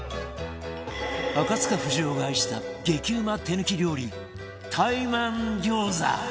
赤塚不二夫が愛した激うま手抜き料理台満餃子